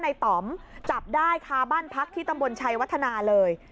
ต่อมจับได้ค่ะบ้านพักที่ตำบลชัยวัฒนาเลย